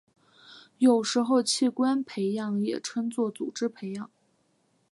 有时候器官培养也称作组织培养。